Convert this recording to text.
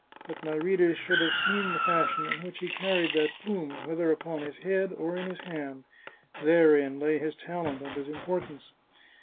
But my readers should have seen the fashion in which he carried that plume, whether upon his head or in his hand — therein lay his talent and his impor tance.